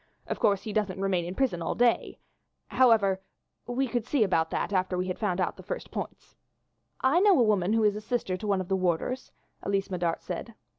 Of course he doesn't remain in the prison all day. However, we can see about that after we have found out the first points." "I know a woman who is sister to one of the warders," Elise Medart said.